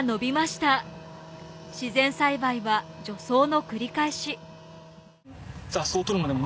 自然栽培は除草の繰り返し。